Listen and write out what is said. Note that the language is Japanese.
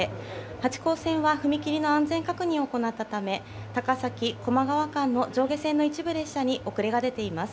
八高線は踏み切りの安全確認を行ったため、高崎・高麗川間の上下線の一部列車に遅れが出ています。